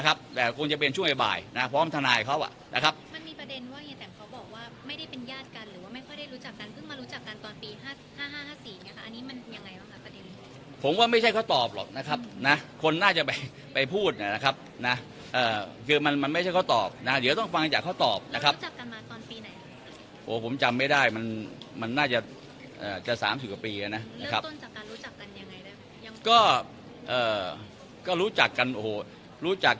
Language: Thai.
นะครับแต่คงจะเป็นช่วงให้บ่ายนะครับพร้อมทนายเขาอ่ะนะครับมันมีประเด็นว่าเห็นแต่เขาบอกว่าไม่ได้เป็นญาติกันหรือว่าไม่ค่อยได้รู้จักกันเพิ่งมารู้จักกันตอนปีห้าห้าห้าสี่นะคะอันนี้มันยังไงวะครับประเด็นผมว่าไม่ใช่เขาตอบหรอกนะครับนะคนน่าจะไปไปพูดนะครับนะเอ่อคือมันมันไม่ใช่เขาตอบนะเดี๋ยวต้องฟ